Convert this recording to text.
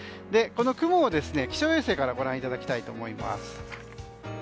この雲を気象衛星からご覧いただきたいと思います。